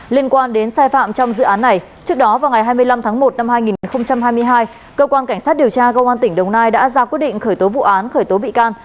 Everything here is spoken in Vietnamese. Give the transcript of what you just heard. liên quan đến sai phạm trong dự án này trước đó vào ngày hai mươi năm tháng một năm hai nghìn hai mươi hai cơ quan cảnh sát điều tra công an tỉnh đồng nai đã ra quyết định khởi tố vụ án khởi tố bị can